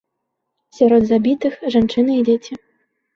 Сярод забітых жанчыны і дзеці.